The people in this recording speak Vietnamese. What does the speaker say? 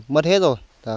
mất hết rồi